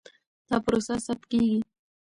دا پروسه ثبت کېږي.